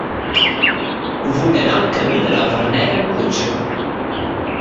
Vull anar al camí de la Verneda amb cotxe.